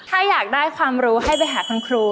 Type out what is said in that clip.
ถ้าอยากได้ความรู้ให้ไปหาคุณครู